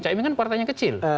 cahimin kan partainya kecil